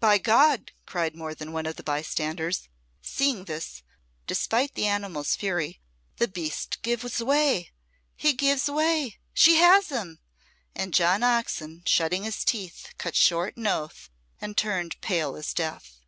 "By God!" cried more than one of the bystanders, seeing this, despite the animal's fury, "the beast gives way! He gives way! She has him!" And John Oxon, shutting his teeth, cut short an oath and turned pale as death.